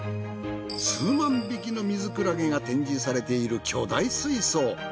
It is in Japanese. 数万匹のミズクラゲが展示されている巨大水槽。